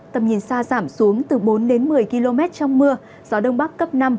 tầm nhìn xa giảm xuống từ bốn đến một mươi km trong mưa gió đông bắc cấp năm